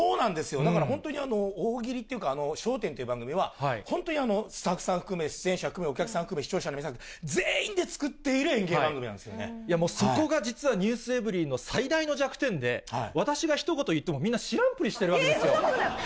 だから、本当に大喜利っていうか、笑点っていう番組は、本当に、スタッフさん含め、出演者含め、お客さん含め、視聴者の皆さん、全員で作っている演芸番組なんでいや、もうそこがｎｅｗｓｅｖｅｒｙ．の最大の弱点で、私がひと言言っても、みんな知らえ、そんなことない。